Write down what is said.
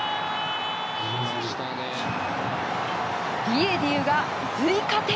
ディエディウが追加点！